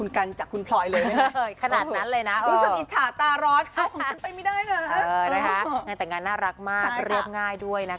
ในนี้ชั้นขออย่างนึงด้วยไหม